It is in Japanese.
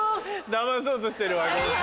だまそうとしてるわ合格。